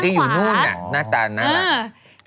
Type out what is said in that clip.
คนที่อยู่นู่นน่ะหน้าตาน่ารัก